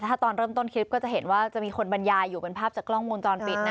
ถ้าตอนเริ่มต้นคลิปก็จะเห็นว่าจะมีคนบรรยายอยู่เป็นภาพจากกล้องวงจรปิดนะ